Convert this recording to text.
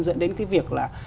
dẫn đến cái việc là